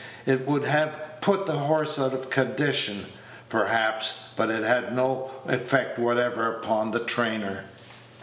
It would have put the horse out of condition, perhaps, but it had no effect whatever upon the trainer.